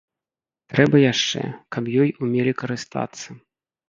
Трэба яшчэ, каб ёй умелі карыстацца.